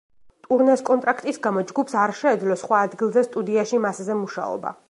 ტურნეს კონტრაქტის გამო ჯგუფს არ შეეძლო სხვა ადგილზე სტუდიაში მასზე მუშაობა.